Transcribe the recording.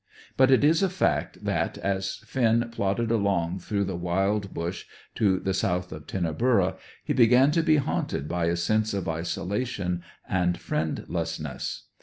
But it is a fact that as Finn plodded along through the wild bush to the south of Tinnaburra, he began to be haunted by a sense of isolation and friendlessness.